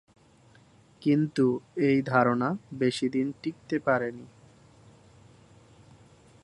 কিন্তু এই ধারণা বেশিদিন টিকতে পারেনি।